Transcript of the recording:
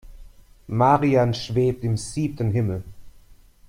Marian schwebt im siebten Himmel.